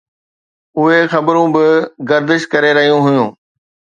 اهي خبرون به گردش ڪري رهيون هيون